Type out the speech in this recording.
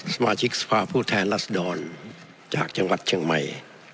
สมาชิกสภาพผู้แทนรัศดรจากจังหวัดเชียงใหม่